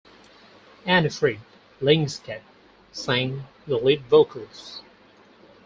Anni-Frid Lyngstad sang the lead vocals.